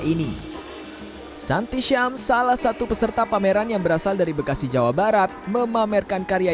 ini santi syam salah satu peserta pameran yang berasal dari bekasi jawa barat memamerkan karya